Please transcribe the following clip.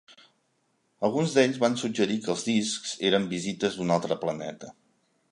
Alguns d'ells van suggerir que els discs eren visites d'un altre planeta.